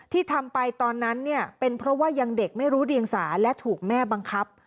ที่ทำไปตอนนั้นเนี่ยเป็นเพราะว่ายังเด็กไม่รู้เดียงสาและถูกแม่บังคับ